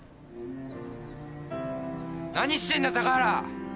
・何してんだ高原！